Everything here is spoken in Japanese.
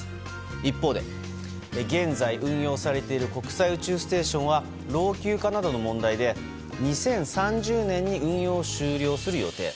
一方で現在、運用されている国際宇宙ステーションは老朽化などの問題で２０３０年に運用を終了する予定。